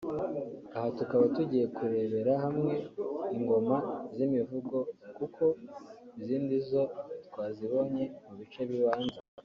Aha tukaba tugiye kurebera hamwe Ingoma z’imivugo kuko izindi zo twazibonye mu bice bibanza